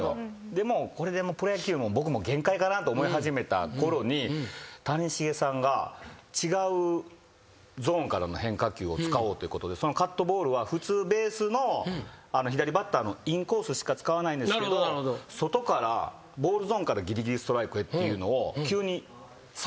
でもうこれでプロ野球も僕も限界かなと思い始めたころに谷繁さんが違うゾーンからの変化球を使おうということでカットボールは普通ベースの左バッターのインコースしか使わないんですけど外からボールゾーンからぎりぎりストライクへっていうのを。